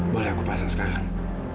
boleh aku pasang sekarang